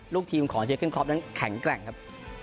ลูกทีมของเจเกิ้ครอปนั้นแข็งแกร่งครับ